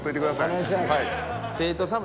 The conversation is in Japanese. お願いします。